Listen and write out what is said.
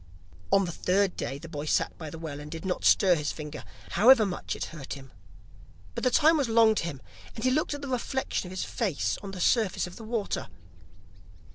On the third day, the boy sat by the well, and did not stir his finger, however much it hurt him. But the time was long to him, and he looked at the reflection of his face on the surface of the water.